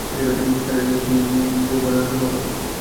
শালি তুই শোধরাবার মতো না।